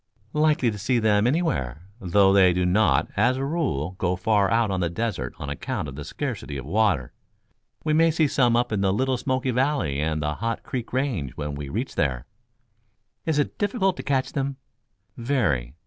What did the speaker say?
"Likely to see them anywhere, though they do not, as a rule, go far out on the desert on account of the scarcity of water. We may see some in the Little Smoky Valley and the Hot Creek Range when we reach there." "Is it difficult to catch them?" "Very.